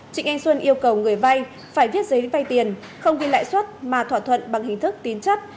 trịnh anh xuân yêu cầu người vai phải viết giấy vai tiền không ghi lãi suất mà thỏa thuận bằng hình thức tín chất